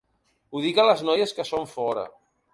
Ho dic a les noies que són fora.